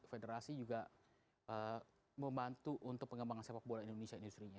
federasi juga membantu untuk pengembangan sepak bola indonesia industri nya